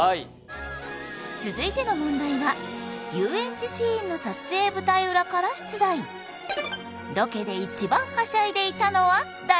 続いての問題は遊園地シーンの撮影舞台裏から出題ロケで一番はしゃいでいたのは誰？